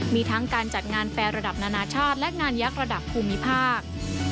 มีทั้งการจัดงานแฟร์ระดับนานาชาติและงานยักษ์ระดับภูมิภาค